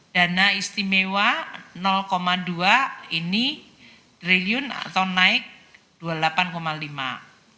dana istimewa dua ini triliun atau naik rp dua puluh delapan lima triliun